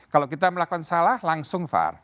kalau kita melakukan salah langsung var